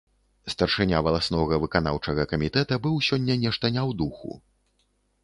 Старшыня валаснога выканаўчага камітэта быў сёння нешта не ў духу.